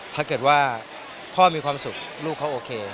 ถ้าเกิดว่าพ่อมีความสุขลูกเขาโอเค